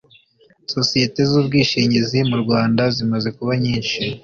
Sosiyete zubwishingizi mu Rwanda zimaze kuba nyinshi